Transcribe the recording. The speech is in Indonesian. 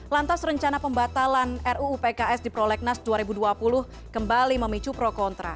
lantas rencana pembatalan ruu pks di prolegnas dua ribu dua puluh kembali memicu pro kontra